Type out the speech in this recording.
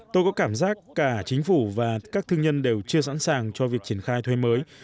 tôi có cảm giác cả chính phủ và các thương nhân đều chưa sẵn sàng cho việc triển khai thuê mới